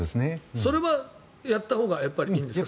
それはやったほうがいいんですか？